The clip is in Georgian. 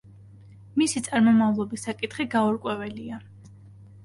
მისი წარმომავლობის საკითხი გაურკვეველია.